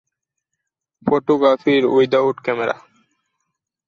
Photography without camera!